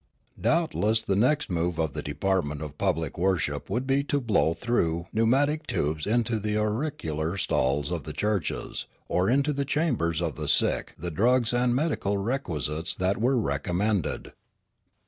Doubtless the next move of the department of public worship would be to blow through pneumatic tubes into the auricular stalls of the churches, or into the chambers of the sick the drugs and medical requisites that were recommended.